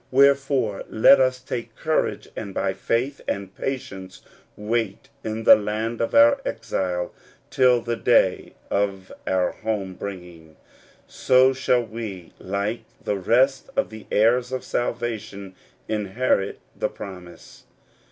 Wherefore, let us take courage, and by faith and patience wait in the land of our exile till the day of our home bringing. So shall we, like the rest of the heirs of salvation, "inherit the promise."